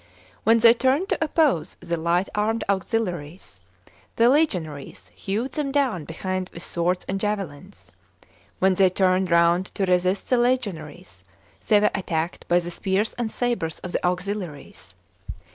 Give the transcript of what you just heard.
When they turned to oppose the light armed auxiliaries, the legionaries hewed them down behind with swords and javelins ; when they turned round to resist the legionaries, they were attacked by the spears and sabres of the auxiliaries.